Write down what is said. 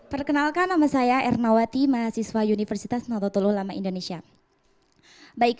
perkenalkan nama saya ernawati mahasiswa universitas nadatul ulama indonesia baik